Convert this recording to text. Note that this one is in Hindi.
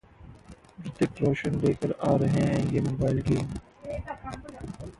रितिक रोशन लेकर आ रहे हैं ये मोबाइल गेम